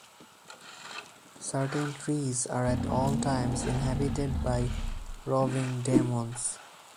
Certain trees are at all times inhabited by roving demons.